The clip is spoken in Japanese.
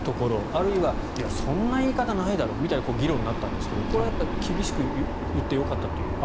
あるいは、そんな言い方ないだろって議論になったんですがこれは厳しく言ってよかったという。